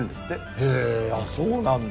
へえそうなんだ。